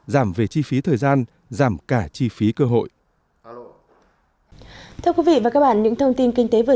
giảm về chi phí thời gian giảm cả chi phí cơ hội